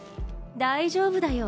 大丈夫だよ。